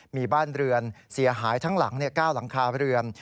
มีบ้านเรือนเสียหายทั้งหลัง๙หลังคาเรือน